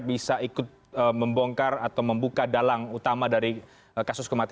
bisa ikut membongkar atau membuka dalang utama dari kasus kematian